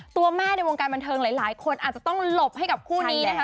ตัวแม่ในวงการบันเทิงหลายคนอาจจะต้องหลบให้กับคู่นี้นะคะ